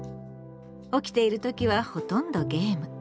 起きている時はほとんどゲーム。